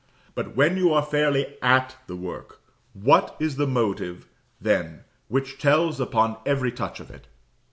But when you are fairly at the work, what is the motive then which tells upon every touch of it?